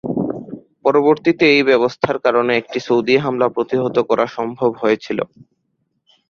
পরবর্তীতে এই ব্যবস্থার কারণে একটি সৌদি হামলা প্রতিহত করা সম্ভব হয়েছিল।